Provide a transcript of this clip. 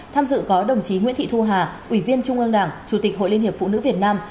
tham dự có đồng chí nguyễn thị thu hà ủy viên trung ương đảng chủ tịch hội liên hiệp phụ nữ việt nam